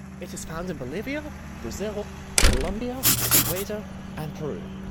It is found in Bolivia, Brazil, Colombia, Ecuador, and Peru.